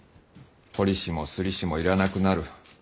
彫り師もり師も要らなくなる。